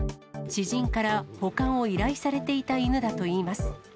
知人から保管を依頼されていた犬だといいます。